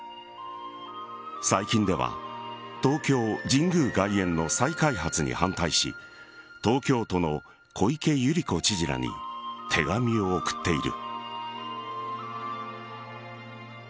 最近では東京・神宮外苑の再開発に反対し東京都の小池百合子知事らに手紙を送っている。